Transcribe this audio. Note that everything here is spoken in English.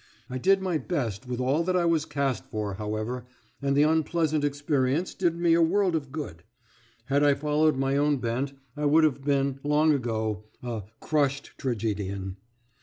I did my best with all that I was cast for, however, and the unpleasant experience did me a world of good. Had I followed my own bent, I would have been, long ago, a "crushed tragedian."